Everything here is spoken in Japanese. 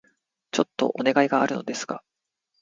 ちょっとお願いがあるのですが...